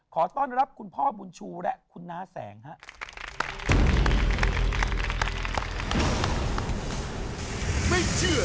ขอต้อนรับคุณพ่อบุญชูและคุณน้าแสงครับ